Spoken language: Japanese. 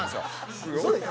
すごいな。